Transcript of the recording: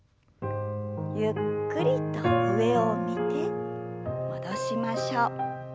ゆっくりと上を見て戻しましょう。